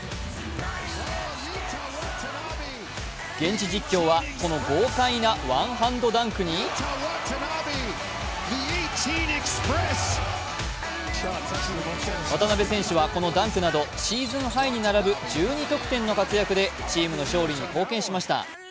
現地実況は、この豪快なワンハンドダンクに渡邊選手はこのダンクなど、シーズンハイに並ぶ１２得点の活躍でチームの勝利に貢献しました。